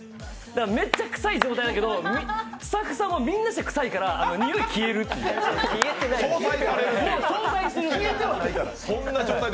だからめっちゃくさい状態だけどスタッフさんみんなしてくさいからにおい消えるっていう、相殺するっていう。